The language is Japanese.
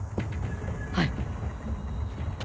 はい。